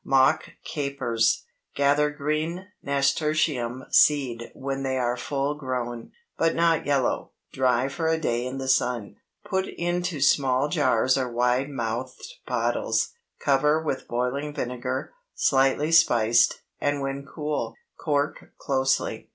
MOCK CAPERS. ✠ Gather green nasturtium seed when they are full grown, but not yellow; dry for a day in the sun; put into small jars or wide mouthed bottles, cover with boiling vinegar, slightly spiced, and when cool, cork closely.